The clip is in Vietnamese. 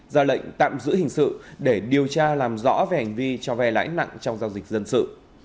ra lệnh tạm giữ hình sự để điều tra làm rõ về hành vi cho ve lãi nặng trong giao dịch dân sự